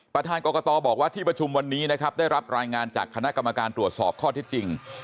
ประธานกรกตบอกว่าที่ประชุมวันนี้นะครับได้รับรายงานจากคณะกรรมการตรวจสอบข้อเท็จจริง